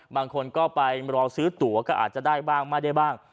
บางคนก็ไปรอซื้อตัวก็อาจจะได้บ้างไม่ได้บ้าง